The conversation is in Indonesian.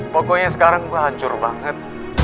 pokoknya sekarang hancur banget